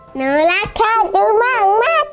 หนูรักข้าดูมากมากค่ะ